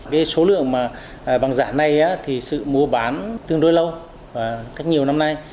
cái số lượng mà bằng giả này thì sự mua bán tương đối lâu cách nhiều năm nay